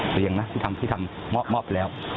เตียงนะที่ทำมอบมอบไปแล้ว